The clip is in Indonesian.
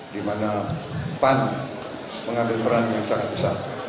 di mana pan mengambil peran yang sangat besar